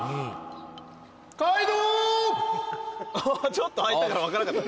ちょっと空いたから分からなかった